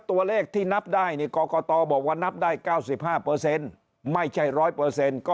ตัวเลขที่นับได้กรกตบอกว่านับได้๙๕ไม่ใช่๑๐๐ก็